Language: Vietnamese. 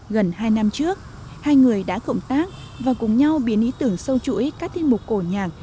gần hai năm trước hai người đã cộng tác và cùng nhau biến ý tưởng sâu chuỗi các thiên mục cổ nhạc